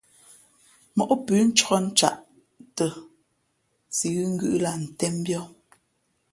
Móꞌ pʉ̌ ncāk ncaꞌ tα, si ghʉ̌ ngʉ̌ꞌ lah ntēn mbīᾱ.